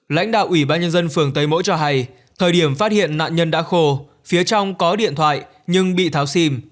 lãnh đạo ủy ban nhân dân phường tây mỗ cho hay thời điểm phát hiện nạn nhân đã khô phía trong có điện thoại nhưng bị tháo xìm